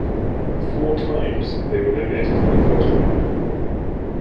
Four times they were eliminated in the first round.